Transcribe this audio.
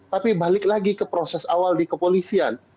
tapi balik lagi ke proses awal di kepolisian